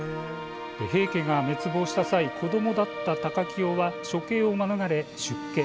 平家が滅亡した際子どもだった高清は処刑を免れ、出家。